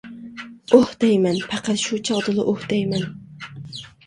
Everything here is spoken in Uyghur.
ئۇھ دەيمەن، پەقەت شۇ چاغدىلا ئۇھ دەيمەن.